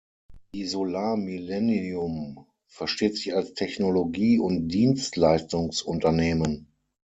Die Solar Millennium versteht sich als Technologie- und Dienstleistungsunternehmen.